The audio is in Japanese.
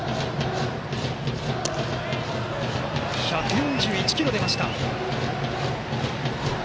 １４１キロが出ました。